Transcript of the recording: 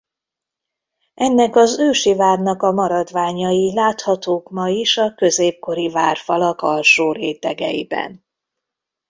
Ennek az ősi várnak a maradványai láthatók ma is a középkori várfalak alsó rétegeiben.